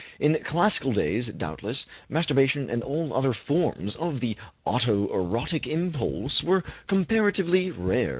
In classical days, doubtless, masturbation and all other forms of the auto erotic impulse were comparatively rare.